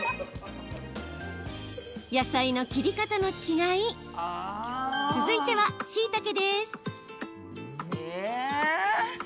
野菜の切り方の違い続いては、しいたけです。